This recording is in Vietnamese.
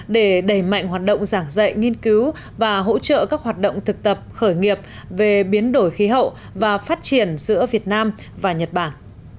để đẩy mạnh hoạt động giảng dạy nghiên cứu và hỗ trợ các hoạt động thực tập khởi nghiệp về biến đổi khí hậu và phát triển giữa việt nam và nhật bản